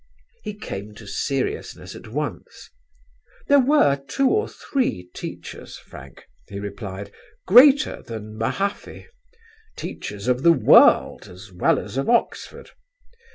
He came to seriousness at once. "There were two or three teachers, Frank," he replied, "greater than Mahaffy; teachers of the world as well as of Oxford.